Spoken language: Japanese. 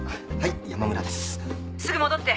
すぐ戻って。